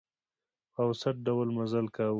په اوسط ډول مزل کاوه.